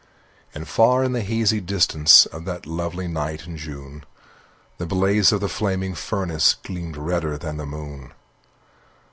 And far in the hazy distance Of that lovely night in June, The blaze of the gleaming furnace Gleamed redder than the moon.